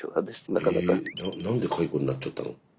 え何で解雇になっちゃったの？